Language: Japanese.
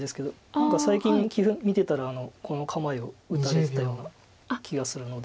何か最近棋譜見てたらこの構えを打たれてたような気がするので。